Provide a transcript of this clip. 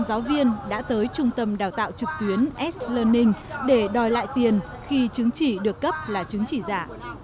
giáo viên đã tới trung tâm đào tạo trực tuyến s learning để đòi lại tiền khi chứng chỉ được cấp là chứng chỉ giả